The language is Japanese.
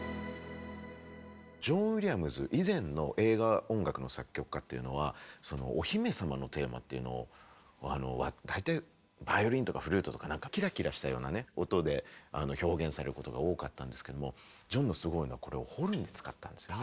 ジョン・ウィリアムズ以前の映画音楽の作曲家っていうのはお姫様のテーマっていうのを大体バイオリンとかフルートとかなんかキラキラしたようなね音で表現されることが多かったんですけどもジョンのすごいのはこれをホルン使ったんですよね。